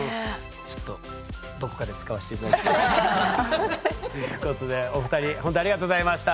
ちょっとどこかで使わせて頂きます。ということでお二人ほんとありがとうございました！